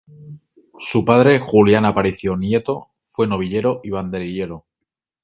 Su padre Julián Aparicio Nieto, fue novillero y banderillero.